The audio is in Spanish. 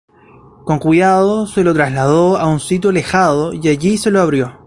Con cuidado, se lo trasladó a un sitio alejado y allí se lo abrió.